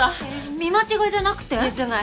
見間違いじゃなくて？じゃない。